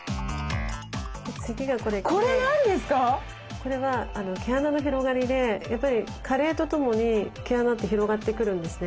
これは毛穴の広がりでやっぱり加齢とともに毛穴って広がってくるんですね。